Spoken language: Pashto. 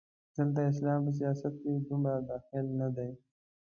دلته اسلام په سیاست کې دومره دخیل نه دی.